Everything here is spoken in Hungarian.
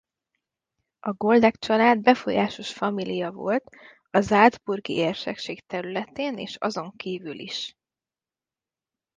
A Goldegg-család befolyásos família volt a salzburgi érsekség területén és azon kívül is.